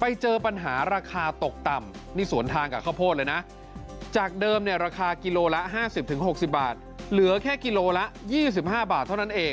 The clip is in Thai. ไปเจอปัญหาราคาตกต่ำนี่สวนทางกับข้าวโพดเลยนะจากเดิมเนี่ยราคากิโลละ๕๐๖๐บาทเหลือแค่กิโลละ๒๕บาทเท่านั้นเอง